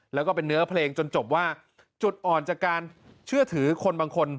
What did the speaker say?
แล้วก็เป็นเนื้อเพลงจนจบว่าจุดอ่อนจากการเชื่อถือคนบางคน